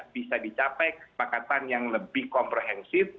bisa dicapai kesepakatan yang lebih komprehensif